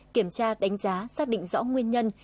kiểm tra đánh giá xác định rõ nguyên nhân